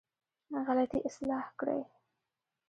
غلطي اصلاح کړې.